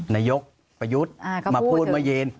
นายกประยุทธ์มาพูดเมื่อเย็น